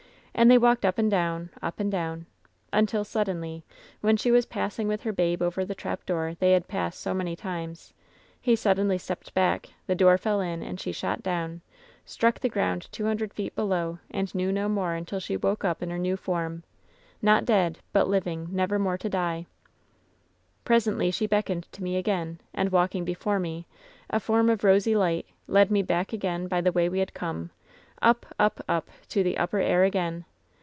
And they walked up and down, up and down, until suddenly, when she was passing with her babe over the trapdoor they had passed so many times, he suddenly stepped back, the door fell in, and she shot down, struck the ground two hundred feet below, and knew no more until she woke up in her new form — ^not dead, but living, never more to die. "Presently she beckoned to me again, and walking before me, a form of rosy light, led me back again by the way we had come, up, up, up, to the upper air again.